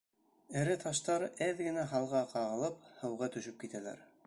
Эре таштар, әҙ генә һалға ҡағылып, һыуға төшөп китәләр.